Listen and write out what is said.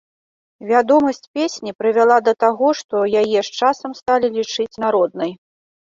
Вядомасць песні прывяла да таго, што яе з часам сталі лічыць народнай.